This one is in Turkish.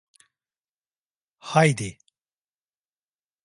Haydi...